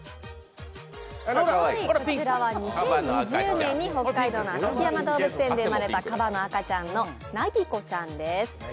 こちらは２０２０年に北海道の旭山動物園で生まれたカバの赤ちゃんの凪子ちゃんです。